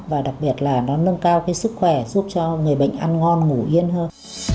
và đặc biệt là nó nâng cao cái sức khỏe giúp cho người bệnh ăn ngon ngủ yên hơn